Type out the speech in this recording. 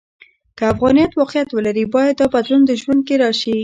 که افغانیت واقعیت ولري، باید دا بدلون د ژوند کې راشي.